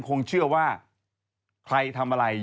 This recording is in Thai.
เพราะอะไร